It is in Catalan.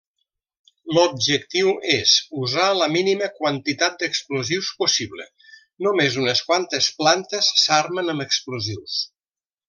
L'objectiu és usar la mínima quantitat d'explosiu possible; només unes quantes plantes s'armen amb explosius.